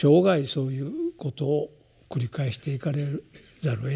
そういうことを繰り返していかざるをえない。